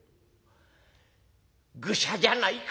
愚者じゃないか。